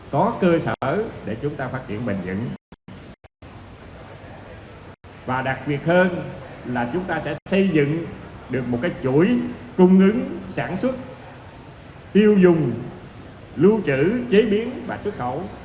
có cơ sở để chúng ta phát triển bền dững và đặc biệt hơn là chúng ta sẽ xây dựng được một cái chuỗi cung ứng sản xuất tiêu dùng lưu trữ chế biến và xuất khẩu